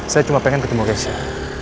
saya cuma pengen ketemu keisha